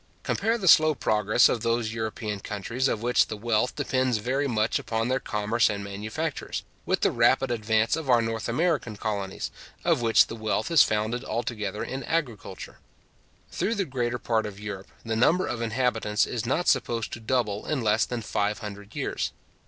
Compare the slow progress of those European countries of which the wealth depends very much upon their commerce and manufactures, with the rapid advances of our North American colonies, of which the wealth is founded altogether in agriculture. Through the greater part of Europe, the number of inhabitants is not supposed to double in less than five hundred years.